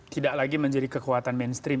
tidak lagi menjadi kekuatan mainstream